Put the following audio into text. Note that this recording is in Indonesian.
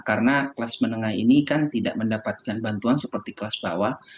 karena kelas menengah ini kan tidak mendapatkan bantuan seperti kelas bawah